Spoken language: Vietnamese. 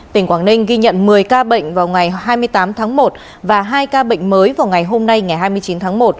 tỉnh quảng ninh ghi nhận một mươi ca bệnh vào ngày hai mươi tám tháng một và hai ca bệnh mới vào ngày hôm nay ngày hai mươi chín tháng một